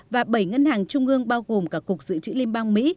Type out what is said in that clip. và bảy ngân hàng trung ương bao gồm cả cục dự trữ liên bang mỹ